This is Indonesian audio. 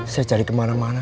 saya cari kemana mana